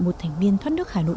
một thành viên thoát nước hà nội